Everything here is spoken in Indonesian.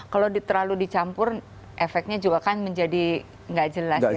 kalau terlalu dicampur efeknya juga kan menjadi nggak jelas ya